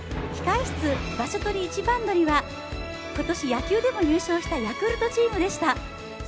控え室、場所取り一番乗りは今年野球でも優勝したヤクルトチームでした。